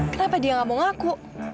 kenapa dia gak mau ngaku